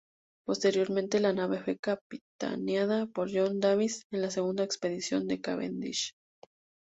Posteriormente la nave fue capitaneada por John Davis en la segunda expedición de Cavendish.